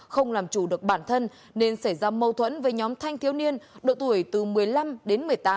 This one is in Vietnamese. không làm chủ được bản thân nên xảy ra mâu thuẫn với nhóm thanh thiếu niên độ tuổi từ một mươi năm đến một mươi tám